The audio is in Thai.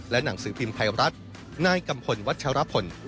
หนังสือพิมพ์ไทยรัฐนายกัมพลวัชรพล